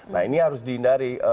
nah ini harus dihindari